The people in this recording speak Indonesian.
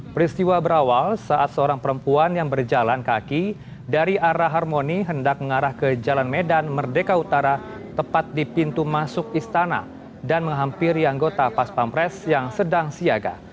peristiwa berawal saat seorang perempuan yang berjalan kaki dari arah harmoni hendak mengarah ke jalan medan merdeka utara tepat di pintu masuk istana dan menghampiri anggota pas pampres yang sedang siaga